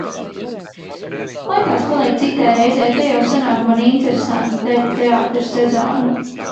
Lai tās paliek citai reizei. Te jau sanāk man interesanta teātra sezona.